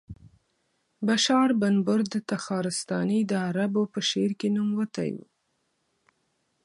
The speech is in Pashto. بشار بن برد تخارستاني د عربو په شعر کې نوموتی و.